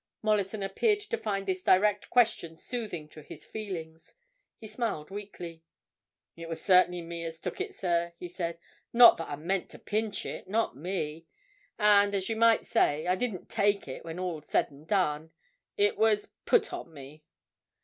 Mollison appeared to find this direct question soothing to his feelings. He smiled weakly. "It was cert'nly me as took it, sir," he said. "Not that I meant to pinch it—not me! And, as you might say, I didn't take it, when all's said and done. It was—put on me."